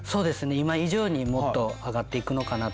今以上にもっと上がっていくのかなと。